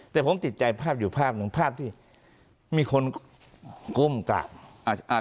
แต่ผมติดใจภาพอยู่ภาพหนึ่งภาพที่มีคนก้มกราบอ่า